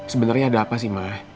sebenarnya ada apa sih ma